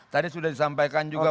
tadi sudah disampaikan juga